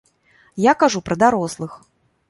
Я кажу пра дарослых.